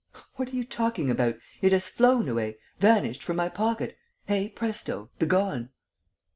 "What are you talking about?... It has flown away ... vanished from my pocket: hey presto, begone!"